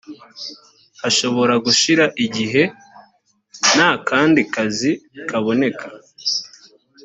hashobora gushira igihe nta kandi kazi kaboneka